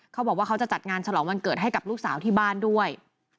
เขาบอกว่าเขาจะจัดงานฉลองวันเกิดให้กับลูกสาวที่บ้านด้วย